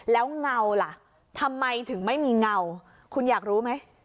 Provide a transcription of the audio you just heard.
แล้วเงาล่ะทำไมถึงไม่มีเงาคุณอยากรู้ไหม